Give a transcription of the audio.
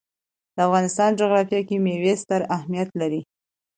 د افغانستان جغرافیه کې مېوې ستر اهمیت لري.